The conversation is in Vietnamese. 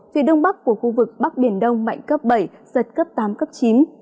phía đông bắc của khu vực bắc biển đông mạnh cấp bảy giật cấp tám cấp chín